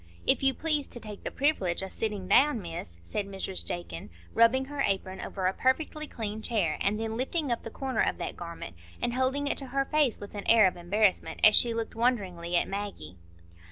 "If you please to take the privilege o' sitting down, Miss," said Mrs Jakin, rubbing her apron over a perfectly clean chair, and then lifting up the corner of that garment and holding it to her face with an air of embarrassment, as she looked wonderingly at Maggie.